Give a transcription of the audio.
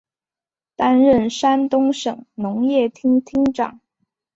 担任山东省农业厅厅长。